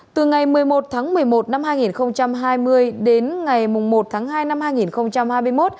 từ ngày một mươi một tháng một mươi một năm hai nghìn hai mươi đến ngày một tháng hai năm hai nghìn hai mươi một